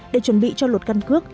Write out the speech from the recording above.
để chuẩn bị cho luật căn cước